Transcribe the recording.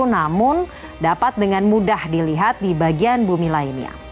namun dapat dengan mudah dilihat di bagian bumi lainnya